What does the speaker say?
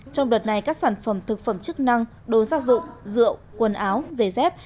trong đợt này các sản phẩm thực phẩm chức năng đồ gia dụng rượu quần áo giày dép